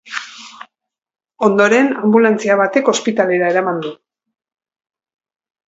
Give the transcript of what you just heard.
Ondoren, anbulantzia batek ospitalera eraman du.